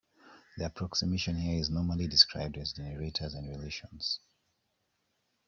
The approximation here is normally described as generators and relations.